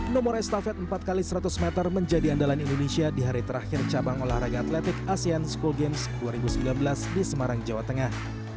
nomor estafet empat x seratus meter menjadi andalan indonesia di hari terakhir cabang olahraga atletik asean school games dua ribu sembilan belas di semarang jawa tengah